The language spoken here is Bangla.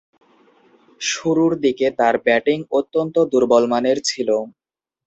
শুরুর দিকে তার ব্যাটিং অত্যন্ত দূর্বলমানের ছিল।